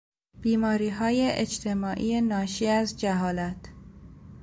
بیماری های اجتماعی ناشی از جهالت